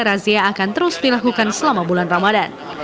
razia akan terus dilakukan selama bulan ramadan